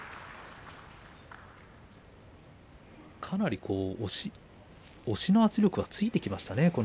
かなり押しの圧力がついてきましたね